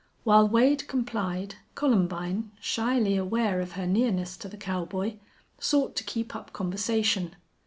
While Wade complied, Columbine, shyly aware of her nearness to the cowboy, sought to keep up conversation.